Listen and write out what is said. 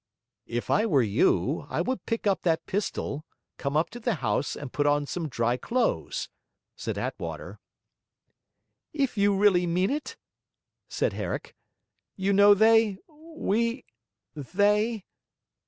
'If I were you, I would pick up that pistol, come up to the house, and put on some dry clothes,' said Attwater. 'If you really mean it?' said Herrick. 'You know they we they.